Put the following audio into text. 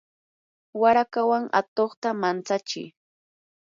warakawan atuqta mantsachi.